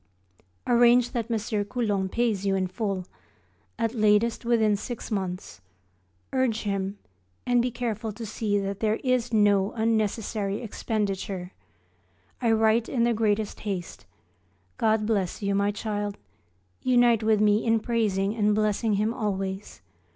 Arrange that M. Coulon pays you in full, at latest within six months; urge him, and be careful to see that there is no unnecessary expenditure. I write in the greatest haste. God bless you, my child. Unite with me in praising and blessing Him always.